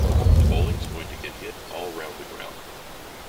The bowling's going to get hit all round the ground.